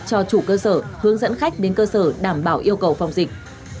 cho chủ cơ sở hướng dẫn khách đến cơ sở đảm bảo yêu cầu phòng dịch